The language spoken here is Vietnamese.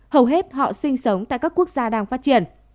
hầu hết họ sinh sống tại các quốc gia đang phát triển